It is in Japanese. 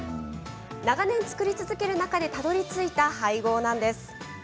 長年作り続ける中でたどりついた配合なんです。